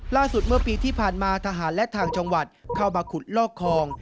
ล่าสุดเมื่อปีที่ผ่านมาทหารและทางจังหวัดเข้ามาขุดลอกคลอง